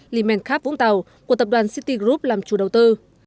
limen cup vũng tàu của tập đoàn city group làm chủ đầu tư